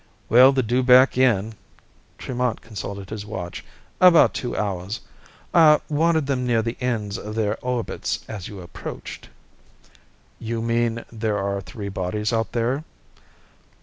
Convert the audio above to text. "Well, they're due back in" Tremont consulted his watch "about two hours. I wanted them near the ends of their orbits as you approached." "You mean there are three bodies out there?"